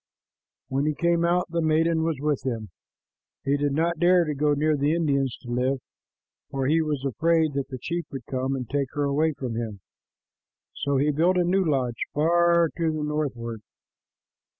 When he came out, the maiden was with him. He did not dare to go near the Indians to live, for he was afraid that the chief would come and take her away from him; so he built a new lodge far to the north ward.